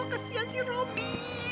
kesian si robi